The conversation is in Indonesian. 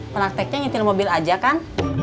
prakteknya nyetil mobil aja kan